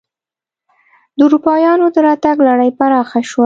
د اروپایانو دراتګ لړۍ پراخه شوه.